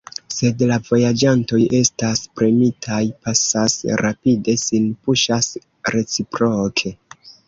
Sed la vojaĝantoj estas premitaj, pasas rapide, sin puŝas reciproke.